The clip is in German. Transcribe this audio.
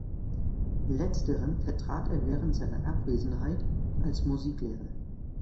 Letzteren vertrat er während seiner Abwesenheit als Musiklehrer.